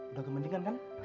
udah kemandikan kan